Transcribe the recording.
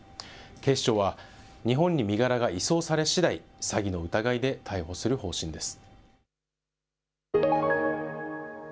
警視庁は、日本に身柄が移送されしだい、詐欺の疑いで逮捕する方針です。